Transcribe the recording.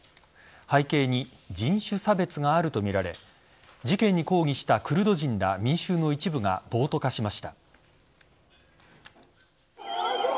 背景に人種差別があるとみられ事件に抗議したクルド人ら民衆の一部が暴徒化しました。